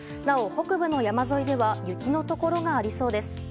なお、北部の山沿いでは雪のところがありそうです。